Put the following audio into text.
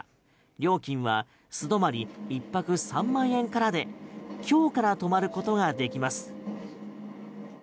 料金は素泊まり１泊３万円からで今日から泊まることができます。